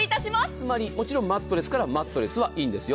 つまりもちろんマットレスからマットレスはいいんですよ。